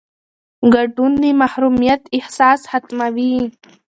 ګډون د محرومیت احساس ختموي